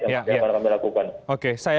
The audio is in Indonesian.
yang akan kami lakukan